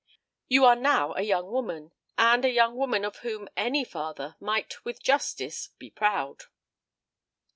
You are now a young woman, and a young woman of whom any father might with justice be proud."